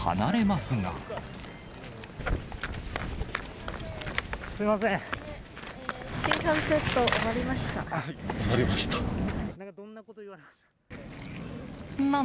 すみません。